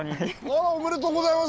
あらおめでとうございます。